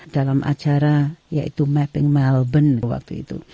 dalam acara yaitu mapping melbourne waktu itu